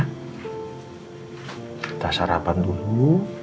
kita sarapan dulu